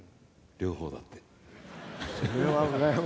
両方だって。